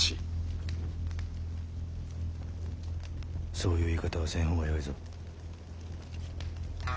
そういう言い方はせん方がよいぞ。